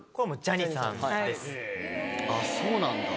あっそうなんだ。